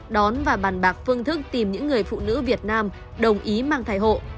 đón và bàn bạc phương thức tìm những người phụ nữ việt nam đồng ý mang thai hộ